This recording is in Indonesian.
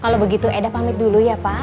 kalau begitu eda pamit dulu ya pak